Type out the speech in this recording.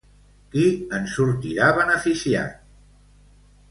Qui en sortirà beneficiat?